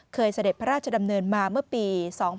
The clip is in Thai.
เสด็จพระราชดำเนินมาเมื่อปี๒๕๕๙